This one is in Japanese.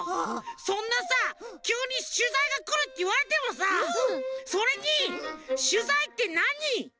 そんなさきゅうにしゅざいがくるっていわれてもさそれにしゅざいってなに？